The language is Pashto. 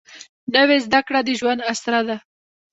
نوې زده کړه د ژوند اسره ده